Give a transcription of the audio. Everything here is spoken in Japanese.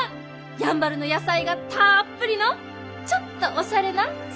やんばるの野菜がたっぷりのちょっとおしゃれなスパゲッティ！